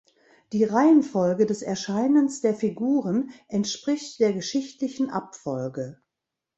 Die Reihenfolge des Erscheinens der Figuren entspricht der geschichtlichen Abfolge.